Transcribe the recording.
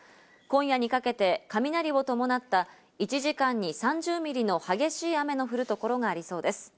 今夜にかけて雷を伴った１時間に３０ミリの激しい雨の降る所がありそうです。